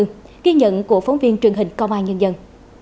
ghi nhận của phóng viên truyền hình công an nhân dân